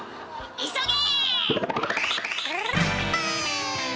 急げ！